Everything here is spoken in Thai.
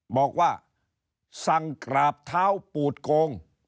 บอกว่าสั่งกราบเท้าปูดโกง